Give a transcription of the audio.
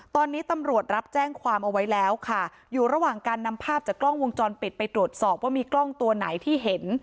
ตอนนี้ตำรวจรับแจ้งความเอาไว้แล้วค่ะอยู่ระหว่างการนำภาพจากกล้องวงจรปิดไปตรวจสอบว่ามีกล้องตัวไหนที่เห็น